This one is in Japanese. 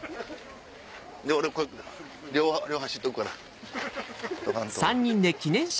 で俺両端行っとくから。